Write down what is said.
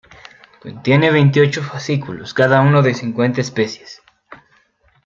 Contiene veintiocho fascículos, cada uno de cincuenta especies.